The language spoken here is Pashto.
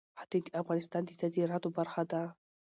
ښتې د افغانستان د صادراتو برخه ده.